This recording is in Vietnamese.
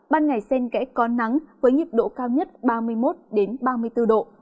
ban ngày xen kẽ có nắng với nhiệt độ cao nhất ba mươi một ba mươi bốn độ